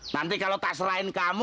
nanti kalau tak serahin kamu